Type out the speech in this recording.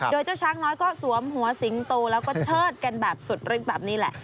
โดยเจ้าช้างน้อยก็สวมหัวสิงโตแล้วก็เชิดกันแบบสุดลึกแบบนี้แหละ